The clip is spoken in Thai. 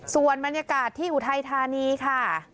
ส่วนบรรยากาศที่อุทัยธานีค่ะ